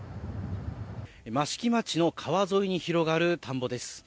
益城町の川沿いに広がる田んぼです。